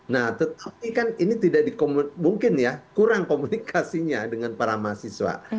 nah tetapi kan ini tidak mungkin ya kurang komunikasinya dengan para mahasiswa